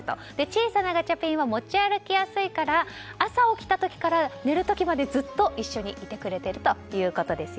小さなガチャピンは持ち歩きやすいから朝、起きた時から寝る時までずっと一緒にいてくれているということです。